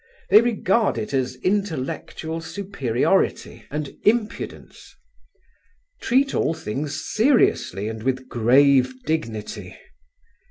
They regard it as intellectual superiority and impudence. Treat all things seriously and with grave dignity.